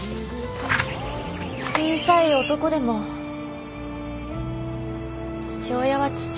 小さい男でも父親は父親だから。